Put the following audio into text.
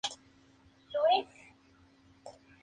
Se encuentra en la India, Nepal, y Pakistán.